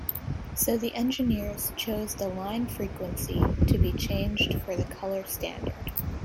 So the engineers chose the line frequency to be changed for the color standard.